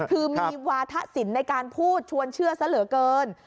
คือมีวาทะสินในการพูดชวนเชื่อซะเหลือเกิน